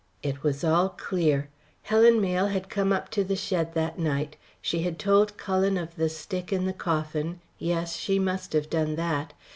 It was all clear. Helen Mayle had come up to the shed that night. She had told Cullen of the stick in the coffin yes, she must have done that.